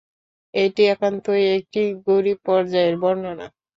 এটি একান্তই একটি গরীব পর্যায়ের বর্ণনা।